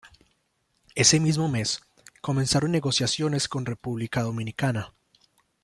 Ese mismo mes, comenzaron negociaciones con República Dominicana.